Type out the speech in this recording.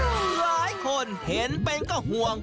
หลายคนเห็นเป็นก็ห่วง